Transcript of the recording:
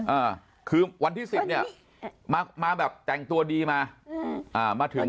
อ่าคือวันที่สิบเนี้ยมามาแบบแต่งตัวดีมาอืมอ่ามาถึง